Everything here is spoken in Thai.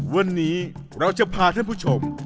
วันนี้เราจะพาท่านผู้ชม